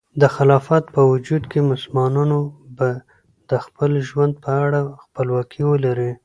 د خلافت په وجود کې، مسلمانان به د خپل ژوند په اړه خپلواکي ولري.